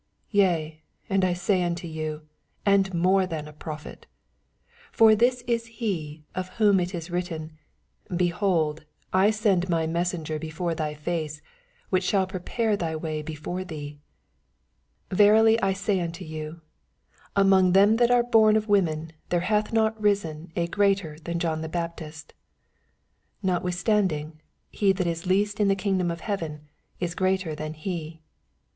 yea, I say unto you, and more than a prophet. 10 For this is A«, of whom it is written, Behold, I send my messenger before thy face, which shall prepare thy way before thee. 11 Verily I say unto you. Among them that are born of women there hath not risen a ^ater than John the Baptist : notwithstanding he that is least in the kingdom of heaven is greater than he.